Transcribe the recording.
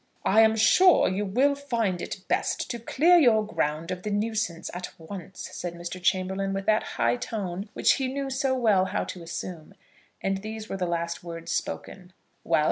"I am sure you will find it best to clear your ground of the nuisance at once," said Mr. Chamberlaine, with that high tone which he knew so well how to assume; and these were the last words spoken. "Well?"